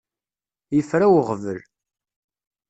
Yefra weɣbel.